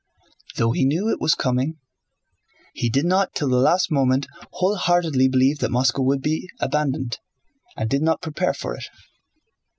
Though he knew it was coming, he did not till the last moment wholeheartedly believe that Moscow would be abandoned, and did not prepare for it.